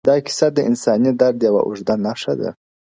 دا کيسه د انساني درد يوه اوږده نښه ده,